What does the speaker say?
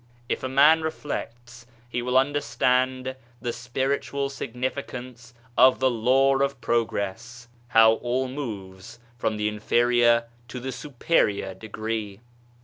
If a man reflects he will understand the spiritual significance of the law of pro gress ; how all moves from the inferior to the superior degree.